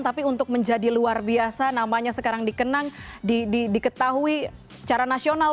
tapi untuk menjadi luar biasa namanya sekarang dikenang diketahui secara nasional